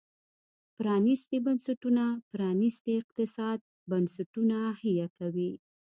پرانيستي بنسټونه پرانيستي اقتصادي بنسټونه حیه کوي.